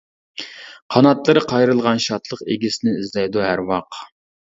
قاناتلىرى قايرىلغان شادلىق، ئىگىسىنى ئىزدەيدۇ ھەر ۋاق.